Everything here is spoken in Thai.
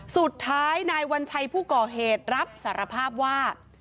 สุดท้ายนายวัญชัยผู้ก่อเหตุรับสารภาพว่า